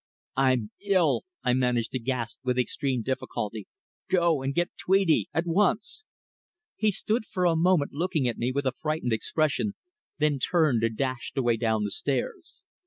"I'm ill," I managed to gasp with extreme difficulty. "Go and get Tweedie at once!" He stood for a moment looking at me with a frightened expression, then turned and dashed away down the stairs.